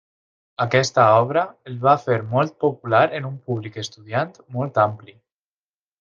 Aquesta obra el va fer molt popular en un públic estudiant molt ampli.